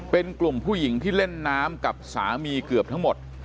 เป็นกลุ่มผู้หญิงที่เล่นน้ำกับสามีเกือบทั้งหมด